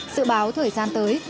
sự báo thời gian tới